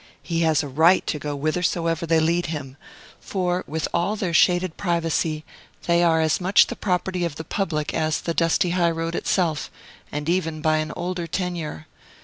He has a right to go whithersoever they lead him; for, with all their shaded privacy, they are as much the property of the public as the dusty high road itself, and even by an older tenure.